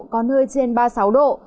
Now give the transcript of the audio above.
có nơi trên ba mươi sáu độ